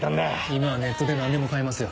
今はネットで何でも買えますよ。